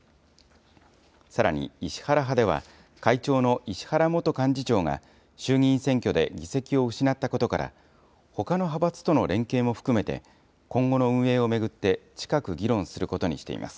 さらに、石原派では会長の石原元幹事長が衆議院選挙で議席を失ったことから、ほかの派閥との連携も含めて、今後の運営を巡って、近く議論することにしています。